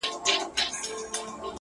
دا روغن په ټول دوکان کي قیمتې وه-